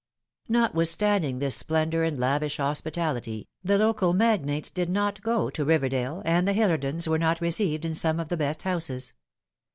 Notwithstanding this splendour and lavish hospitality, the local magnates did not go to Riverdale, and the Hillersdons were not received in some of the best houses.